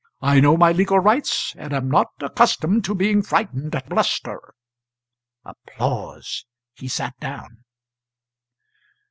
"I know my legal rights, and am not accustomed to being frightened at bluster." He sat down.